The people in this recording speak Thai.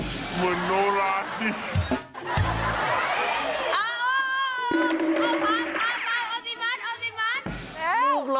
อ๋อคุณแม่